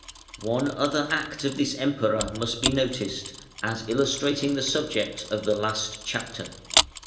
One other act of this Emperor must be noticed, as illustrating the subject of the last chapter.